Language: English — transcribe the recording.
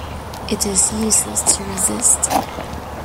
It is useless to resist.